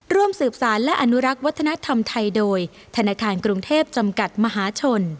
ร่วมสืบสารและอนุรักษ์วัฒนธรรมไทยโดยธนาคารกรุงเทพจำกัดมหาชน